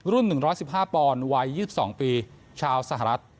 ๑๑๕ปอนด์วัย๒๒ปีชาวสหรัฐ